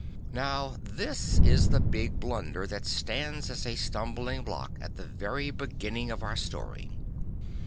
N ow this is the big blunder that stands as a stumbling block at the very beginning of our story.